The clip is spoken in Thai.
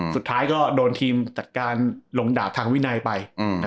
สุดท้ายก็โดนทีมจัดการลงดาบทางวินัยไป